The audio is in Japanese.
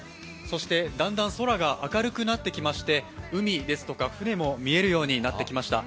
だんだん空が明るくなってきまして、海ですとか船も見えるようになってきました。